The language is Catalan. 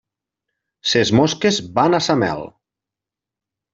Ses mosques van a sa mel.